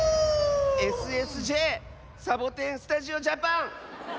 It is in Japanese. ＳＳＪサボテン・スタジオ・ジャパン！